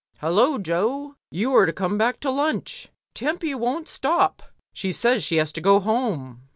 HuUoa, Jo, you are to come back to lunch. Tempy won't stop. She says she has to go home."